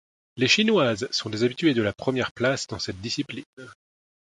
Les chinoises sont des habituées de la première place dans cette discipline.